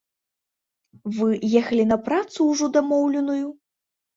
Вы ехалі на працу ўжо дамоўленую?